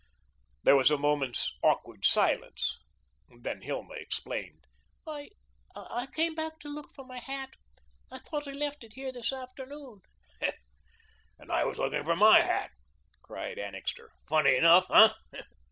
There was a moment's awkward silence, then Hilma explained: "I I came back to look for my hat. I thought I left it here this afternoon." "And I was looking for my hat," cried Annixter. "Funny enough, hey?"